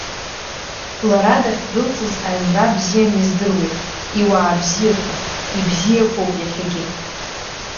Лара дахьдәылҵыз аҩнра бзианы издыруеит, иуаа бзиақәан, ибзиақәоуп иахьагьы.